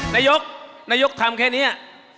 นายกนายกทำแค่นี้